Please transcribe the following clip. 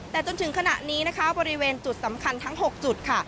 แต่จนถึงขณะนี้นะคะบริเวณจุดสำคัญทั้ง๖จุดค่ะ